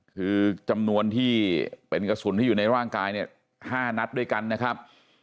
คือจำนวนที่เป็นกระสุนที่อยู่ในร่างกายเนี่ย๕นัดด้วยกันนะครับ